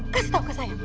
kasih tahu ke saya